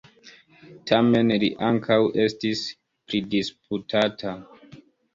Tamen li ankaŭ estis pridisputata.